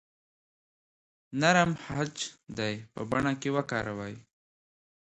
نرم خج دې په بڼه کې وکاروئ.